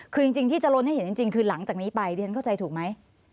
คือจริงที่จะล้นให้เห็นจริงคือหลังจากนี้ไปดิฉันเข้าใจถูกไหม